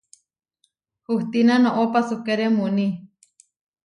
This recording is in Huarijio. Hustína noʼó pasúkere muní.